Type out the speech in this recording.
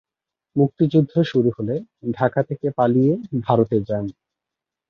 মুক্তিযুদ্ধ শুরু হলে ঢাকা থেকে পালিয়ে ভারতে যান।